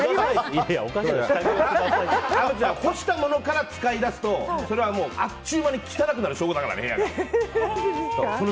虻ちゃん干したものから使い出すとそれはあっという間に汚くなる証拠だからね、部屋が。